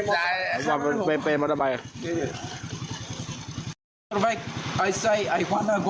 ที่